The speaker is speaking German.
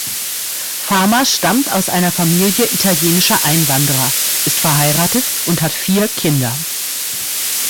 Fama stammt aus einer Familie italienischer Einwanderer, ist verheiratet und hat vier Kinder.